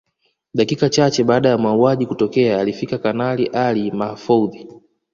Dakika chache baada ya mauaji kutokea alifika Kanali Ali Mahfoudhi